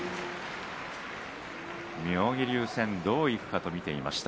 妙義龍戦どういくかと見ていました。